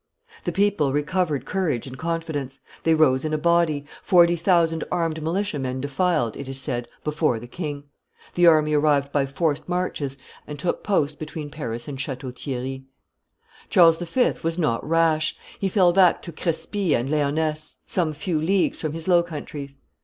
The people recovered courage and confidence; they rose in a body; forty thousand armed militiamen defiled, it is said, before the king. The army arrived by forced marches, and took post between Paris and Chateau Thierry. [Illustration: Claude de Lorraine, Duke of Guise 130] Charles V. was not rash; he fell back to Crespy in Laonness, some few leagues from his Low Countries.